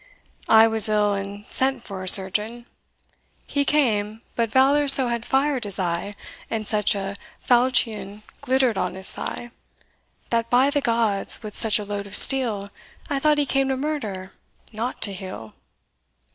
I was ill, and sent for a surgeon He came but valour so had fired his eye, And such a falchion glittered on his thigh, That, by the gods, with such a load of steel, I thought he came to murder, not to heal.